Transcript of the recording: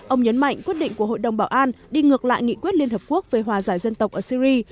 ông nhấn mạnh quyết định của hội đồng bảo an đi ngược lại nghị quyết liên hợp quốc về hòa giải dân tộc ở syri